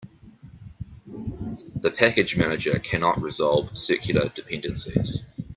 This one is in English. The package manager cannot resolve circular dependencies.